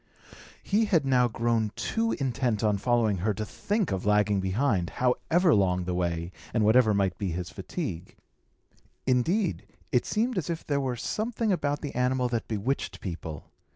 He had now grown too intent on following her to think of lagging behind, however long the way, and whatever might be his fatigue. Indeed, it seemed as if there were something about the animal that bewitched people.